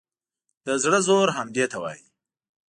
د زړه زور همدې ته وایي.